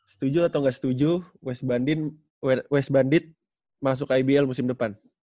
setuju atau nggak setuju west bandit masuk ibl musim depan